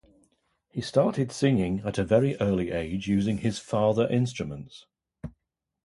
He started singing at a very early age using his father instruments.